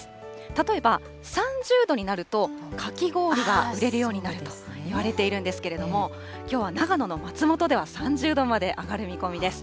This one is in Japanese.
例えば３０度になると、かき氷が売れるようになるといわれているんですけれども、きょうは長野の松本では３０度まで上がる見込みです。